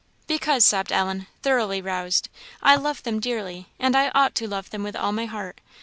"Because," sobbed Ellen, thoroughly roused, "I love them dearly! and I ought to love them with all my heart.